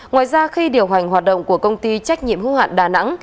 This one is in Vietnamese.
ngoài ra khi điều hành hoạt động của công ty trách nhiệm hưu hạn đà nẵng